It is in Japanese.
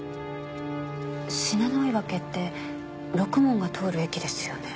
信濃追分ってろくもんが通る駅ですよね？